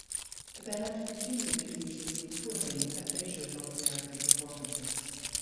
The band continued to use the new tour name at later North American performances.